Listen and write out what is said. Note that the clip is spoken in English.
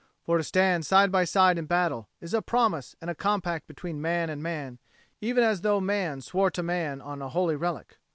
For to stand side by side in battle is a promise and a compact between man and man, even as though man swore to man on a holy relic."